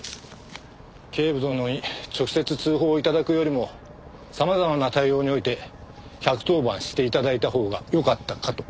警部殿に直接通報頂くよりも様々な対応において１１０番して頂いたほうがよかったかと。